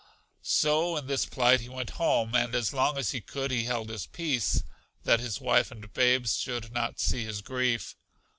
So in this plight he went home, and as long as he could he held his peace, that his wife and babes should not see his grief.